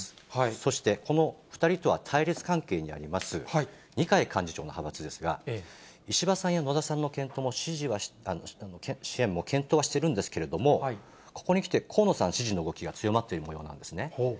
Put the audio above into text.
そしてこの２人とは対立関係にあります二階幹事長の派閥ですが、石破さんや野田さんの支援も検討はしているんですけれども、ここに来て、河野さん支持の動きが強まっているものなんですね。